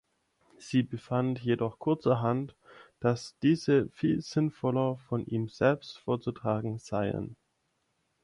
Sie befand jedoch kurzerhand, dass diese viel sinnvoller von ihm selbst vorzutragen seien.